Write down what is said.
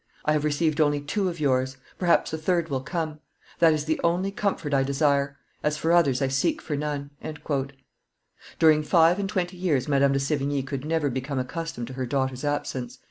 I have received only two of yours; perhaps the third will come; that is the only comfort I desire: as for others, I seek for none." During five and twenty years Madame de Sevign~ could never become accustomed to her daughter's absence.